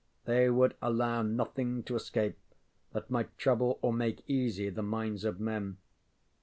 They would allow nothing to escape that might trouble or make easy the minds of men.